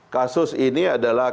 kasus ini adalah